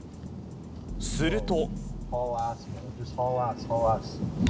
すると。